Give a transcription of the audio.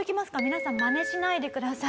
皆さんまねしないでください。